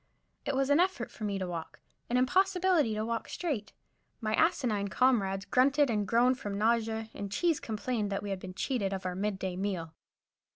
It was an effort for me to walk, an impossibility to walk straight. My asinine comrades grunted and groaned from nausea, and Cheese complained that we had been cheated of our mid day meal.